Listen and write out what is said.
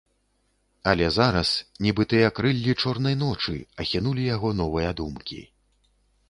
Але зараз, нібы тыя крыллі чорнай ночы, ахінулі яго новыя думкі.